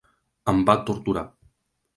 Em va torturar!